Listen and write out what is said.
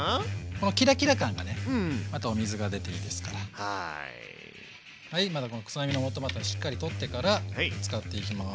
このキラキラ感がねまたお水が出ていいですからはいこのくさみのもとまたしっかり取ってから使っていきます。